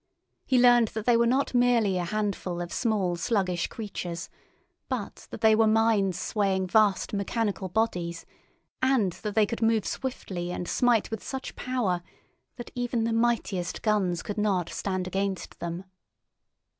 He learned that they were not merely a handful of small sluggish creatures, but that they were minds swaying vast mechanical bodies; and that they could move swiftly and smite with such power that even the mightiest guns could not stand against them.